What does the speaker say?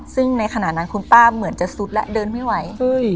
ซึ่งในขณะนั้นคุณป้าเหมือนจะซุดและเดินไม่ไหว